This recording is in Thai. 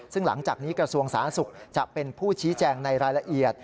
ซึ่งหลังจากนี้กระทรวงสาธารณสุขจะเป็นผู้ชี้แจงในรายละเอียด